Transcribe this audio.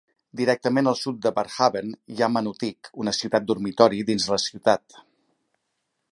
Directament al sud de Barrhaven hi ha Manotick, una ciutat dormitori dins la ciutat.